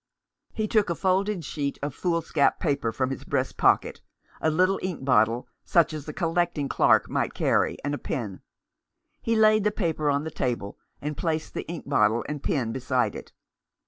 He took a folded sheet of foolscap paper from 37? Rough Justice. his breast pocket, a little ink bottle such as a collecting clerk might carry, and a pen. He laid the paper on the table, and placed the ink bottle and pen beside it.